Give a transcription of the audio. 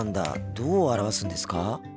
どう表すんですか？